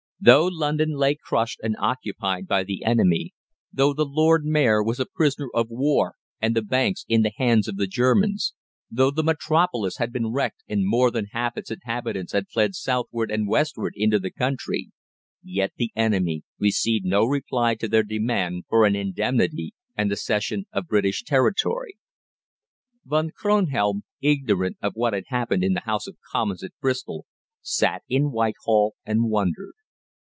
Though London lay crushed and occupied by the enemy, though the Lord Mayor was a prisoner of war and the banks in the hands of the Germans, though the metropolis had been wrecked and more than half its inhabitants had fled southward and westward into the country, yet the enemy received no reply to their demand for an indemnity and the cession of British territory. Von Kronhelm, ignorant of what had occurred in the House of Commons at Bristol, sat in Whitehall and wondered.